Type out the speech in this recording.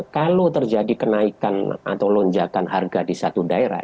kalau terjadi kenaikan atau lonjakan harga di satu daerah